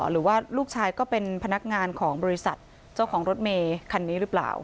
หรือว่าลูกชายก็เป็นพนักงานของบริษัทเจ้าของรถเมคันนี้หรือเปล่า